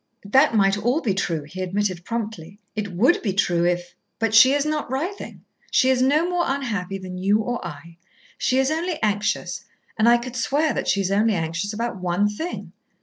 "That might all be true," he admitted promptly. "It would be true if but she is not writhing. She is no more unhappy than you or I. She is only anxious, and I could swear that she is only anxious about one thing.